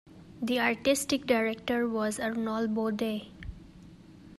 The artistic director was Arnold Bode.